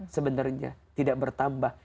sebenarnya tidak bertambah